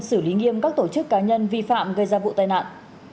xử lý nghiêm các tổ chức cá nhân vi phạm gây ra vụ tai nạn